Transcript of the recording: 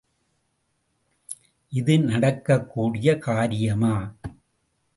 இது நடக்கக்கூடிய காரியமா?